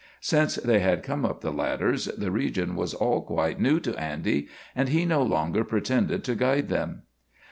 Since they had come up the ladders the region was all quite new to Andy, and he no longer pretended to guide them.